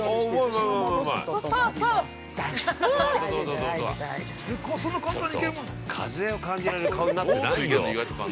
◆ちょっと風を感じられる顔になってないよ。